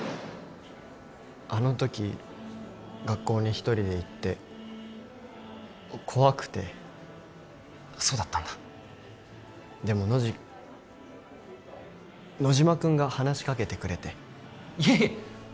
あのとき学校に１人で行って怖くてそうだったんだでもノジ野島君が話しかけてくれていやいやまあ